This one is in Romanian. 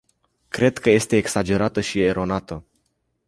Cred că este exagerată și eronată.